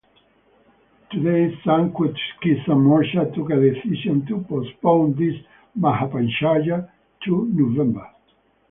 Today, Samyukt Kisan Morcha took a decision to postpone this Mahapanchayat to November.